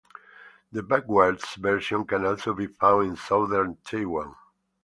The backwards version can also be found in Southern Taiwan.